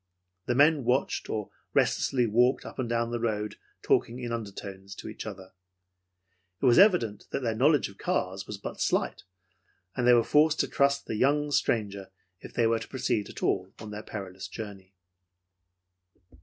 The men watched or restlessly walked up and down the road talking in undertones to each other. It was evident that their knowledge of cars was but slight, and they were forced to trust to the young stranger if they were to proceed at all on their perilous journey.